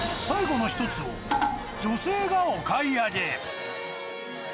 最後の１つを女性がお買い上げ。